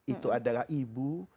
itu adalah ibu